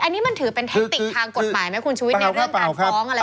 อันนี้มันถือเป็นเทคติกทางกฎหมายไหมคุณชุวิตในเรื่องการฟ้องอะไร